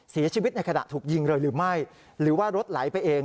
เสียชีวิตในขณะถูกยิงเลยหรือไม่หรือว่ารถไหลไปเอง